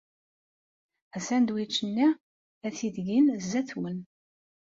Asandwič-nni ad t-id-gen sdat-wen.